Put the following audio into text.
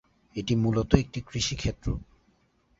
এটি মূলত একটি কৃষিক্ষেত্র।